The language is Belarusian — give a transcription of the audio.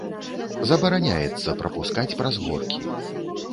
Забараняецца прапускаць праз горкі.